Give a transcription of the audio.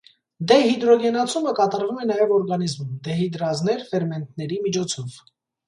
Դեհիդրոգենացումը կատարվում է նաև օրգանիզմում՝ դեհիդրազներ ֆերմենտների միջոցով։